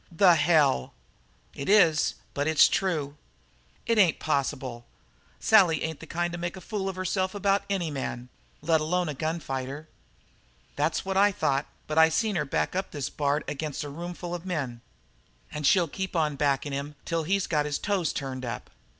"The hell!" "It is; but it's true." "It ain't possible. Sally ain't the kind to make a fool of herself about any man, let alone a gun fighter." "That's what I thought, but I seen her back up this Bard ag'in' a roomful of men. And she'll keep on backin' him till he's got his toes turned up."